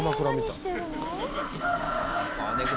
「何してるの？」